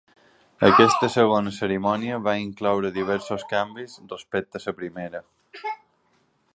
Aquesta segona cerimònia va incloure diversos canvis respecte a la primera.